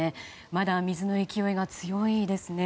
まだ水の勢いが強いですね。